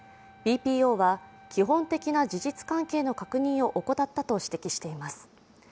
ＢＰＯは基本的な事実関係の確認を怠ったと指摘しています。